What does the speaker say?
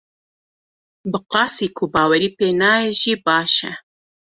Bi qasî ku bawerî pê nayê jî baş e.